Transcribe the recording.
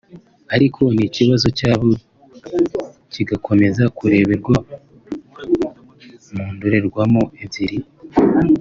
ariko n’ikibazo cyabo kigakomeza kureberwa mu ndorerwamo ebyiri